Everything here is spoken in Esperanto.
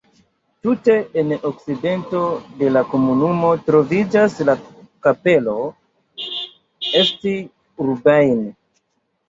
Tute en okcidento de la komunumo troviĝas la kapelo St-Urbain.